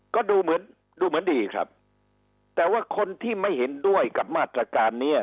ก็ดูเหมือนดูเหมือนดีครับแต่ว่าคนที่ไม่เห็นด้วยกับมาตรการนี้